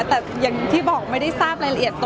แต่อย่างที่บอกไม่ได้ทราบรายละเอียดตัว